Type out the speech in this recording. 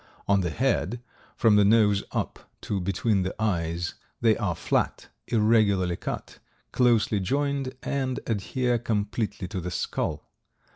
On the head from the nose up to between the eyes they are flat, irregularly cut, closely joined and adhere completely to the skull.